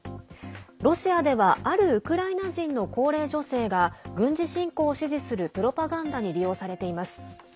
ロシアではあるウクライナ人の高齢女性が軍事侵攻を支持するプロパガンダに利用されています。